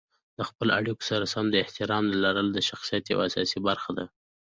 د خپلې اړیکو سره د احترام لرل د شخصیت یوه اساسي برخه ده.